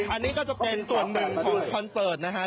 อันนี้ก็จะเป็นส่วนหนึ่งของคอนเสิร์ตนะฮะ